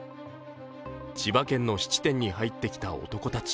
千葉県の質店に入ってきた男たち。